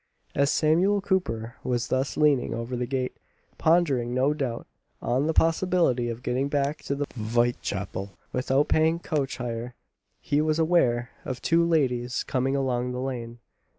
As Samuel Cooper was thus leaning over the gate pondering, no doubt, on the possibility of getting back to Vitechapple, without paying coach hire he was aware of two ladies coming along the lane.